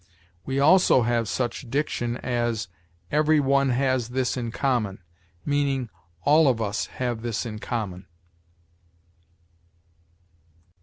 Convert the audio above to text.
We also have such diction as, "Every one has this in common"; meaning, "All of us have this in common."